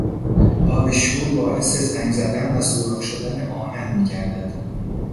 آب شور باعث زنگ زدن و سوراخ شدن آهن میگردد.